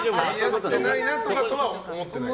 合ってないなとは思ってない？